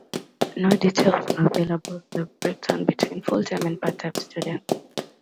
No details were available of the breakdown between full-time and part-time students.